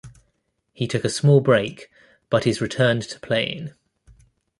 He took a small break but is returned to playing.